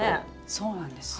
そうなんですよ。